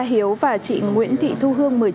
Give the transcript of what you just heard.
hiếu và chị nguyễn thị thu hương